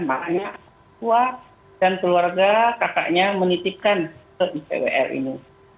makanya keluarga dan keluarga katanya menitipkan ke ipwl ini